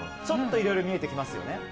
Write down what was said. ちょっといろいろ見えてきますよね？